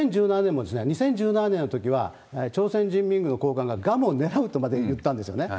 ２０１７年も、２０１７年のときは、朝鮮人民軍の高官がグアムを狙うとまで言ったんですよね。